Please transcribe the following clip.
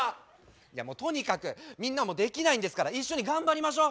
とにかくみんなもできないんですから一緒に頑張りましょう。